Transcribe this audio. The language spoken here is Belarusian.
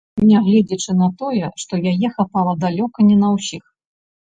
Нягледзячы на тое, што яе хапала далёка не на ўсіх.